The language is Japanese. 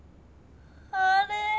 あれ？